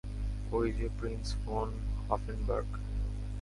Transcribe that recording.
ঐ যে prince von Hoffenberg.